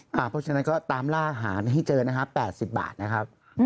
เพราะฉะนั้นก็ตามล่าหาให้เจอนะครับ๘๐บาทนะครับ